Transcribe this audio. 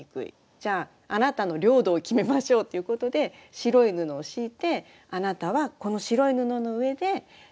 じゃああなたの領土を決めましょうっていうことで白い布を敷いてあなたはこの白い布の上でブロック遊びしてって。